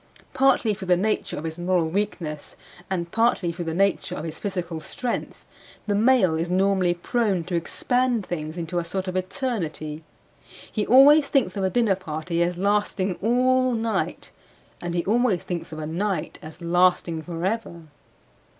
Partly through the nature of his moral weakness, and partly through the nature of his physical strength, the male is normally prone to expand things into a sort of eternity; he always thinks of a dinner party as lasting all night; and he always thinks of a night as lasting forever.